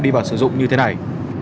đi vào sử dụng như thế này